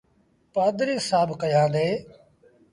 پآڌريٚ سآب ڪيآندي ۔